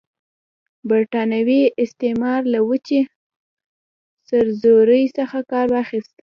برټانوي استعمار له وچې سرزورۍ څخه کار واخیست.